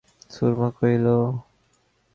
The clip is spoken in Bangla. সুরমা কহিল, বোধ করি আমার সময় হইয়া আসিয়াছে।